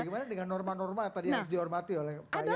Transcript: bagaimana dengan norma norma yang tadi harus dihormati oleh pak ya